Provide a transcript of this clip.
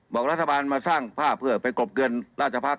บอกรัฐบาลมาสร้างภาพเพื่อไปกรบเตือนราชพักษ